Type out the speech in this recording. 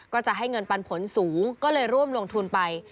ก็จะให้เงินปันผลสูงก็เลยร่วมลงทุนไป